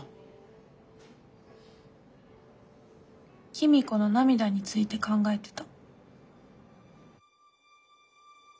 公子の涙について考えてた。